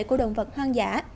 của động vật hoang dã